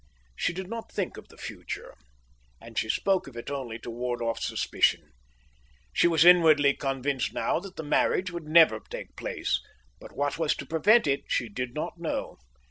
She did not think of the future, and she spoke of it only to ward off suspicion. She was inwardly convinced now that the marriage would never take place, but what was to prevent it she did not know.